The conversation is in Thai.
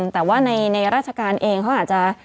แต่ว่าในราชการเองเขาอาจจะ